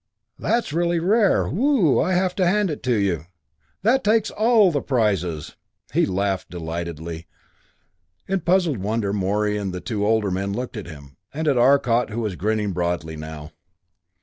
"That's really rare! Whoo I have to hand it to you! That takes all the prizes!" He laughed delightedly. In puzzled wonder Morey and the two older men looked at him, and at Arcot who was grinning broadly now.